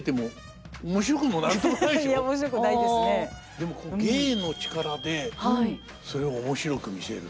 でも芸の力でそれを面白く見せるという。